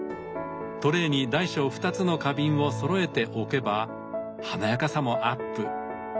トレーに大小２つの花瓶をそろえておけば華やかさもアップ。